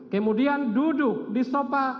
kemudian duduk di sopa